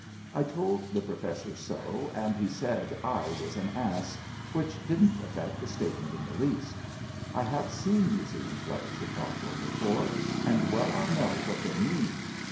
I told the Professor so, and he said I was an ass, which didn't aflFect the statement in the least. I have seen museums like Chautauqua before, and well I know what they mean.